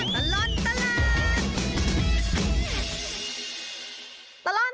ชั่วตลอดตลอด